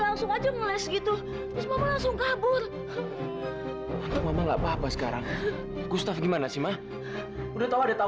langsung aja ngeles gitu langsung kabur ngapa sekarang gustaf gimana sih mah udah tahu ada